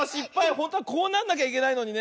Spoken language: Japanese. ほんとはこうなんなきゃいけないのにね。